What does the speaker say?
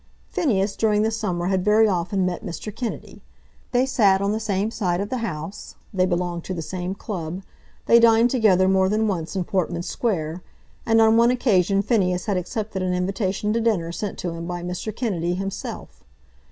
Phineas during the summer had very often met Mr. Kennedy. They sat on the same side of the House, they belonged to the same club, they dined together more than once in Portman Square, and on one occasion Phineas had accepted an invitation to dinner sent to him by Mr. Kennedy himself.